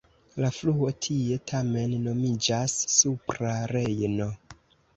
La fluo tie tamen nomiĝas Supra Rejno.